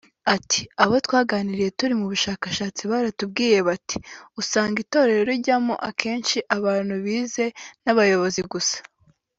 Ati “Abo twaganiriye turi mu bushakashatsi baratubwiye bati ‘usanga Itorero rijyamo akenshi abantu bize n’abayobozi gusa